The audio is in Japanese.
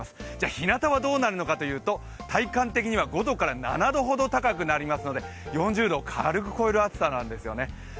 ひなたはどうなるかというと、体感的には５度から７度ほど高くなりますので４０度を軽く超える暑さなんですよね。